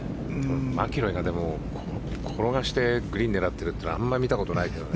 マキロイが転がしてグリーンを狙っているのはあんまり見たことないけどね。